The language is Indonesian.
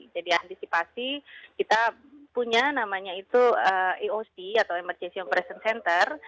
jadi antisipasi kita punya namanya itu eoc atau emergency operations center